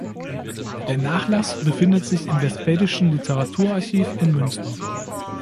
Der Nachlass befindet sich im Westfälischen Literaturarchiv in Münster.